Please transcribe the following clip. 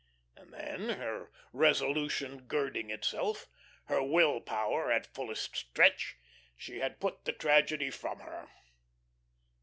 And then, her resolution girding itself, her will power at fullest stretch, she had put the tragedy from her.